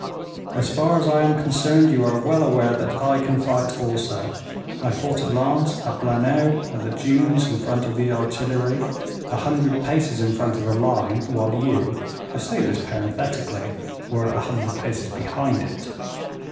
As far as I am concerned, you are well aware that I can fight also. I fought at Lens, at Bleneau, at the Dunes in front of the artillery, a hundred paces in front of the line, while you I say this parenthetically were a hundred paces behind it.